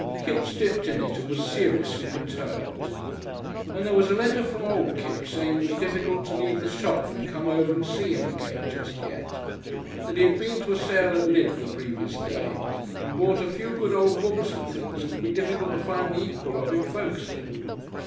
Kipps dipped in it and was seriously perturbed. And there was a letter from old Kipps saying it was difficult to leave the shop and come over and see him again just yet, but that he had been to a sale at Lydd the previous day and bought a few good old books and things it would be difficult to find the equal of in Folkestone.